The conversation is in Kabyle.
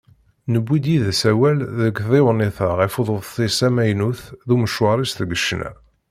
Newwi-d yid-s awal deg tdiwennit-a ɣef uḍebsi-s amaynut d umecwaṛ-is deg ccna.